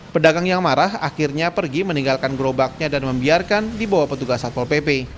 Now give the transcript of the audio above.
pedagang yang marah akhirnya pergi meninggalkan gerobaknya dan membiarkan dibawa petugas satpol pp